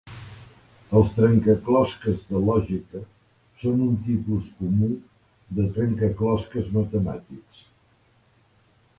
Els trencaclosques de lògica són un tipus comú de trencaclosques matemàtics.